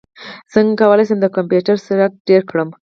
څنګه کولی شم د کمپیوټر سرعت ډېر کړم